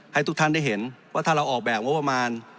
ให้ทุกท่านได้เห็นว่าถ้าเราออกแบบงบประมาณ